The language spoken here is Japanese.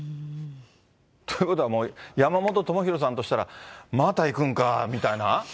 ということは、もう山本朋広さんとしたら、また行くんかみたいな？